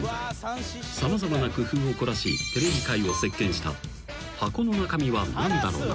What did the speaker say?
様々な工夫を凝らしテレビ界を席巻した「箱の中身はなんだろな？」］